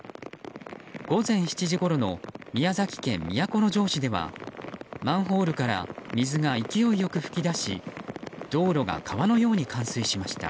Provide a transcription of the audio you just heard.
午前７時ごろの宮崎県都城市ではマンホールから水が勢いよく噴き出し道路が川のように冠水しました。